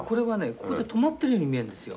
ここで止まってるように見えるんですよ。